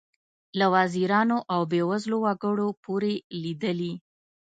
له وزیرانو او بې وزلو وګړو پورې لیدلي.